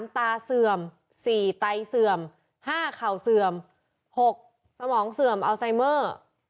ตาเสื่อม๔ไตเสื่อม๕เข่าเสื่อม๖สมองเสื่อมอัลไซเมอร์